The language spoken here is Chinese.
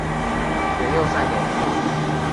元佑三年卒。